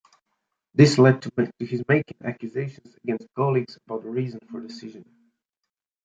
This led to his making accusations against colleagues about the reasons for the decision.